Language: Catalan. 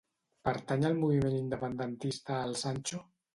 Pertany al moviment independentista el Sancho?